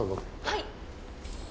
はい！